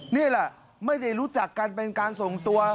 นี่แหละไม่ได้รู้จักกันเป็นการส่งตัว